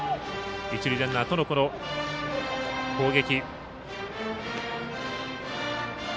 一塁ランナーとの、この攻撃。